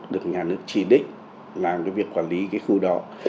được nhà nước chỉ định làm cái việc quản lý cái khu đó